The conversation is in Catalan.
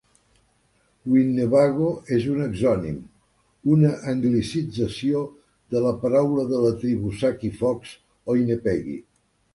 "Winnebago" és un exònim, una anglicització de la paraula de la tribu Sac i Fox "Oinepegi".